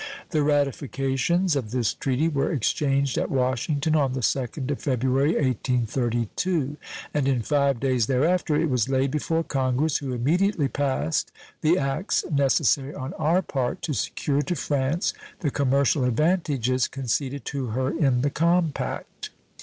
The ratifications of this treaty were exchanged at Washington on the second of February, 1832, and in five days thereafter it was laid before Congress, who immediately passed the acts necessary on our part to secure to France the commercial advantages conceded to her in the compact.